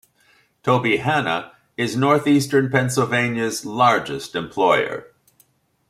Tobyhanna is Northeastern Pennsylvania's largest employer.